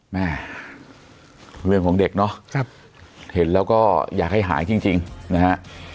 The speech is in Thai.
แม่เรื่องของเด็กเนาะเห็นแล้วก็อยากให้หายจริงนะฮะ